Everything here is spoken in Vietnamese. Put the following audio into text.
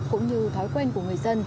cũng như thói quen của người dân